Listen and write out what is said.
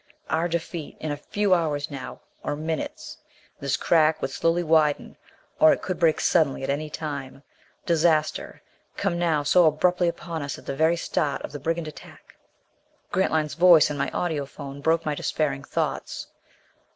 Our defeat. In a few hours now or minutes. This crack could slowly widen, or it could break suddenly at any time. Disaster, come now so abruptly upon us at the very start of the brigand attack.... Grantline's voice in my audiphone broke my despairing thoughts.